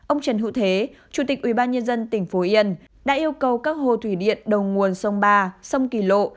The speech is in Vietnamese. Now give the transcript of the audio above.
ông trần hữu thế chủ tịch ubnd tỉnh phú yên đã yêu cầu các hồ thủy điện đầu nguồn sông ba sông kỳ lộ